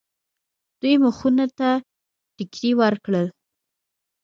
دوی مخونو ته ټکرې ورکړل.